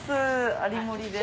有森です。